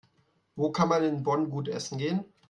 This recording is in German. Wo kann man in Bonn gut essen gehen?